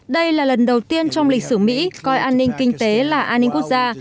đây là lần đầu tiên trong lịch sử mỹ coi an ninh kinh tế là an ninh quốc gia